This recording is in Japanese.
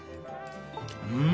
うん！